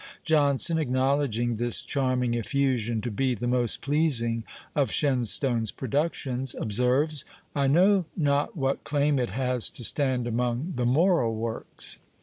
Johnson, acknowledging this charming effusion to be "the most pleasing of Shenstone's productions" observes, "I know not what claim it has to stand among the moral works."